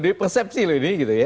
dari persepsi loh ini gitu ya